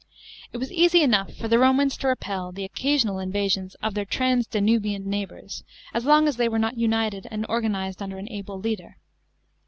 It was easy enough for the Romans to repel the occasional invasions of their trans Danubian neighbours as long as they were not united and organised under an able leader.